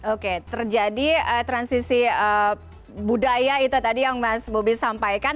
oke terjadi transisi budaya itu tadi yang mas bobi sampaikan